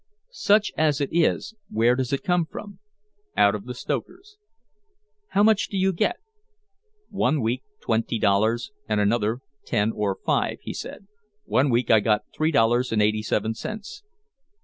"Such as it is, where does it come from?" "Out of the stokers." "How much do you get?" "One week twenty dollars and another ten or five," he said. "One week I got three dollars and eighty seven cents."